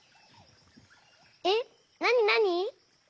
えっなになに？